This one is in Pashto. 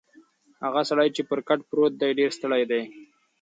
هغه سړی چې پر کټ پروت دی ډېر ستړی دی.